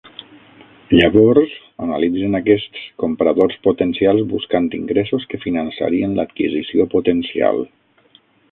Llavors, analitzen aquests compradors potencials buscant ingressos que finançarien l'adquisició potencial.